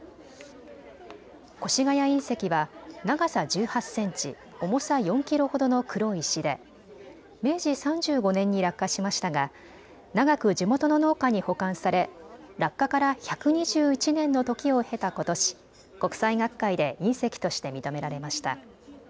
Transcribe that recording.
越谷隕石は長さ１８センチ、重さ４キロほどの黒い石で明治３５年に落下しましたが長く地元の農家に保管され落下から１２１年の時を経たことし、国際学会で隕石として認められました。